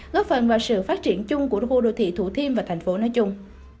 góp phần vào sự phát triển chung của khu đô thị thủ thiêm và thành phố nói chung